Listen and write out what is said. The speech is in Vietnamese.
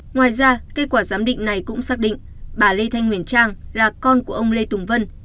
ngoài ra kết quả giám định này cũng xác định bà lê thanh huyền trang là con của ông lê tùng vân